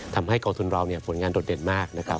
ทำให้เกาะทุนเราผลงานโดดเด่นมาก